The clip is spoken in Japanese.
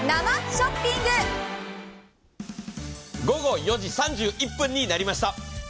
午後４時３１分になりました。